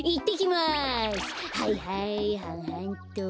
はいはいはんはんっと。